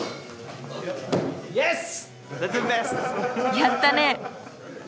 やったね！